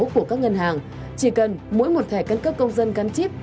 của các ngân hàng chỉ cần mỗi một thẻ căn cước công dân gắn chip